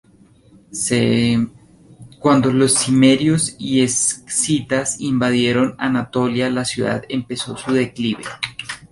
C.. Cuando los cimerios y escitas invadieron Anatolia, la ciudad empezó su declive.